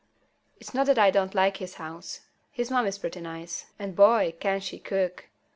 It's not that I don't like his house. His mom is pretty nice, and boy, can she cook!